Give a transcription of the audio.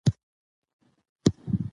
ژباړن دا فکر بلې ژبې ته لېږدوي.